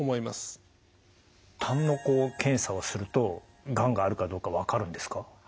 たんの検査をするとがんがあるかどうか分かるんですか？